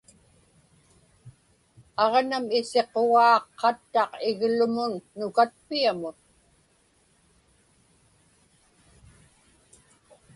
Aġnam isiqugaa qattaq iglumun nukatpiamun.